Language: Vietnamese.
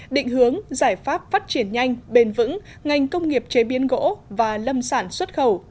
định hướng giải pháp phát triển nhanh bền vững ngành công nghiệp chế biến gỗ và lâm sản xuất khẩu